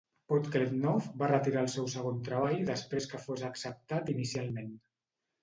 Podkletnov va retirar el seu segon treball després que fos acceptat inicialment.